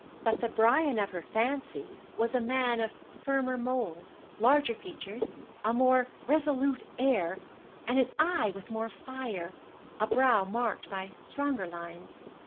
But the Brian of her fancies was a man of firmer mould, larger features, a more resolute air, an eye with more fire, a brow marked by stronger lines.